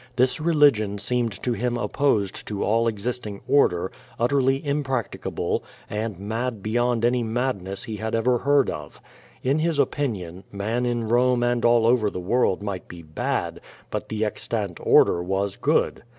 This religion seemed to him opposed to all existing order, utterly impracticable, and mad beyond any madness he had, ever heard of. In his opinion, man in Home and all over the world might be bad, but the extant order was good.